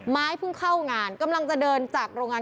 เพิ่งเข้างานกำลังจะเดินจากโรงงาน